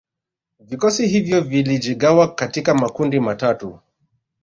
Vikosi hivyo vilijigawa katika makundi matatu